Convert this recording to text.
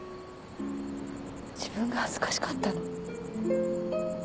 自分が恥ずかしかったの。